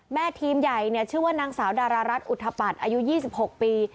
ทีมใหญ่ชื่อว่านางสาวดารารัฐอุทธปัตรอายุ๒๖ปี